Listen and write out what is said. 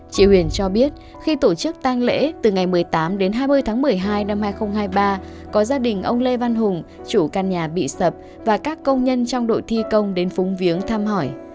chị huyền cho biết khi tổ chức tang lễ từ ngày một mươi tám đến hai mươi tháng một mươi hai năm hai nghìn hai mươi ba có gia đình ông lê văn hùng chủ căn nhà bị sập và các công nhân trong đội thi công đến phúng viếng thăm hỏi